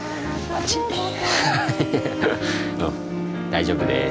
大丈夫です。